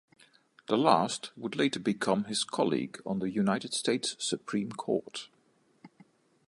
The last would later become his colleague on the United States Supreme Court.